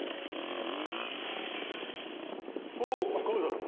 おうカメさん。